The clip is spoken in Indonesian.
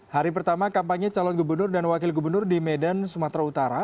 hari pertama kampanye calon gubernur dan wakil gubernur di medan sumatera utara